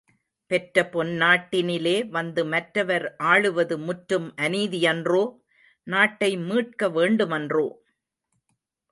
பெற்றபொன் னாட்டினிலே வந்து மற்றவர் ஆளுவது முற்றும் அநீதியன்றோ? நாட்டை மீட்க வேண்டுமன்றோ?